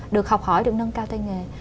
được học hỏi được nâng cao tên nghề